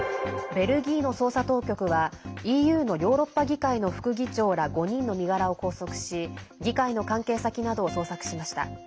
ベルギーの捜査当局はＥＵのヨーロッパ議会の副議長ら５人の身柄を拘束し議会の関係先などを捜索しました。